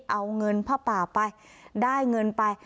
เอาเงินผ้าป่าไปได้เงินไป